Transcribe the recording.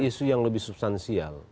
isu yang lebih substansial